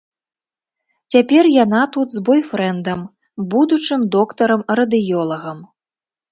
Цяпер яна тут з бойфрэндам, будучым доктарам-радыёлагам.